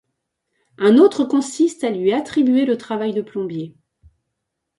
Un autre consiste à lui attribuer le travail de plombier.